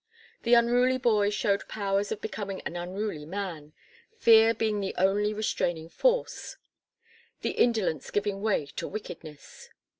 The unruly boy shewed powers of becoming an unruly man, fear being the only restraining force; and indolence giving way to wickedness.